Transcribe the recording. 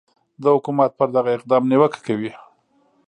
د حکومت پر دغه اقدام نیوکه کوي